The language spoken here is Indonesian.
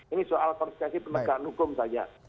ini soal konsekuensi penegakan hukum saja